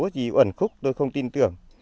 một số gì ẩn khúc tôi không tin tưởng